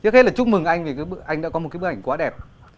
trước hết là chúc mừng anh vì anh đã có một cái bức ảnh quá đẹp